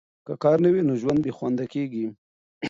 که کار نه وي، نو ژوند بې خونده کیږي.